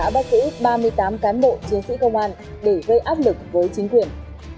gửi ít ba mươi tám cán bộ chiến sĩ công an để gây áp lực với chính quyền